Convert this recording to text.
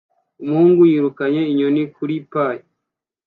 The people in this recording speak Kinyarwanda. Umuhungu yirukanye inyoni kuri pir